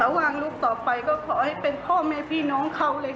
วางลูกต่อไปก็ขอให้เป็นพ่อแม่พี่น้องเขาเลยค่ะ